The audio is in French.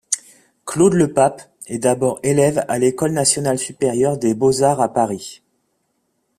Claude Lepape est d'abord élève à l'École nationale supérieure des beaux-arts à Paris.